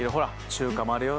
中華もあるよ。